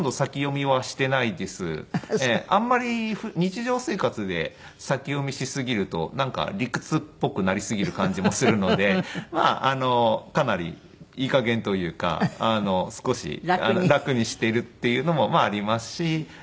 あんまり日常生活で先読みしすぎるとなんか理屈っぽくなりすぎる感じもするのでまあかなりいい加減というか少し楽にしているっていうのもまあありますし。